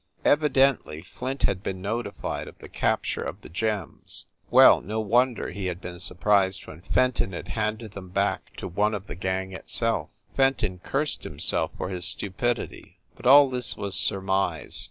Evidently Flint had been notified of the capture of the gems. Well, no wonder he had been surprised when Fenton had handed them back to one of the gang itself! Fenton cursed himself for his stu pidity. But all this was surmise.